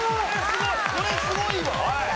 これすごいわ。